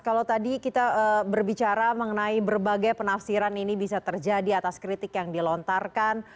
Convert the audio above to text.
kalau tadi kita berbicara mengenai berbagai penafsiran ini bisa terjadi atas kritik yang dilontarkan